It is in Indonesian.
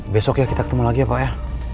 besok ya kita ketemu lagi ya pak ya